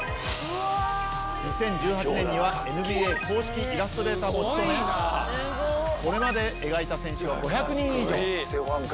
２０１８年にはＮＢＡ公式イラストレーターも務めこれまで描いた選手は５００人以上。